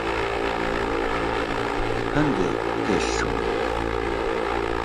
هەندێک پێشچوومە.